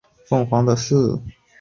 孟昭娟出生于内蒙古通辽市。